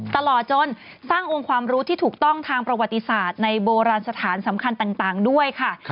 ตลอดจนสร้างองค์ความรู้ที่ถูกต้องทางประวัติศาสตร์ในโบราณสถานสำคัญต่างด้วยค่ะ